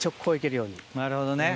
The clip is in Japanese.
なるほどね。